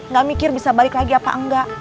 gak mikir bisa balik lagi apa enggak